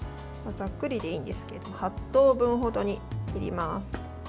ざっくりでいいんですけど８等分程に切ります。